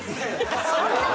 そんな事！